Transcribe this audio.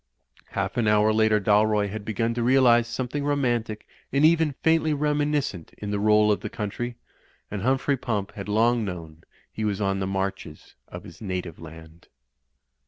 Half an hour later Dalroy had begun to realise something romantic and even faintly reminis cent in the roll of the country, and Humphrey Pump had long known he was on the marches of his native land.